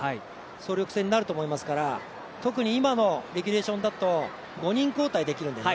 総力戦になると思いますから特に今のレギュレーションだと５人交代できるんでね。